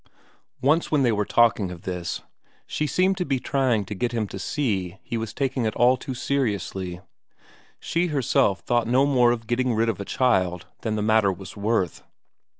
Once when they were talking of this, she seemed to be trying to get him to see he was taking it all too seriously; she herself thought no more of getting rid of a child than the matter was worth.